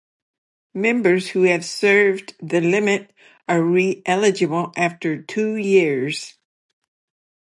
Members who have served the limit are re-eligible after two years.